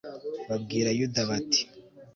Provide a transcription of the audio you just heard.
babwira yuda bati